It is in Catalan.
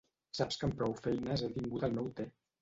Saps que amb prou feines he tingut el meu te.